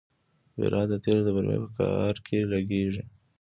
بیرایت د تیلو د برمې په کار کې لګیږي.